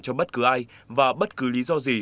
cho bất cứ ai và bất cứ lý do gì